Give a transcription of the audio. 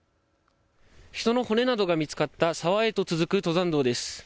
人の骨などが見つかった沢へと続く登山道です。